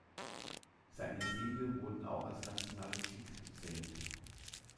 Seine Siege wurden auch als nationale Titel gezählt.